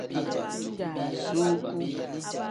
Zuuku.